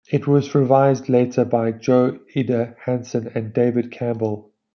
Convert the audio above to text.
It was revised later by Jo-Ida Hansen and David Campbell.